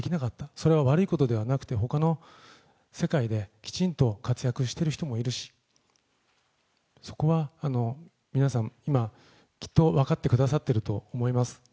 それは悪いことではなくて、他の世界できちんと活躍している人もいるしそこは皆さん、今きっと分かってくださっていると思います。